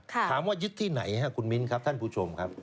ถามว่ายึดที่ไหนครับคุณมิ้นครับท่านผู้ชมครับ